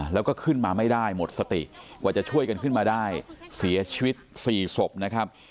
แล้วก็ขึ้นมาไม่ได้หมดสติกว่าจะช่วยกันขึ้นมาได้เสียชีวิต๔ศพนะครับ